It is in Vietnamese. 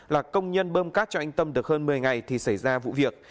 là công nhân bơm cát cho anh tâm được hơn một mươi ngày thì xảy ra vụ việc